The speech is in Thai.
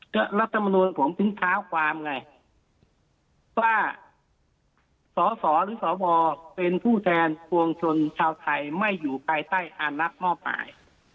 ก็รัฐมนุษย์ของผมพึ่งเท้าความไงว่าสสหรือสบเป็นผู้แทนวงชนชาวไทยไม่อยู่ใกล้ใต้อันลักษณ์นอกไป